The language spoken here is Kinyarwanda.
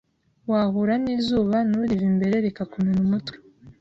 wahura n'izuba nturive imbere rikakumena umutwe